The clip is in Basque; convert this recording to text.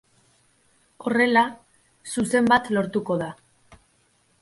Horrela, zuzen bat lortuko da.